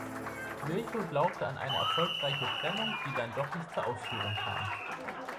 Virchow glaubte an eine erfolgreiche Trennung, die dann doch nicht zur Ausführung kam.